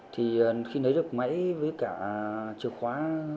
thì khi lấy được máy với cả chìa khóa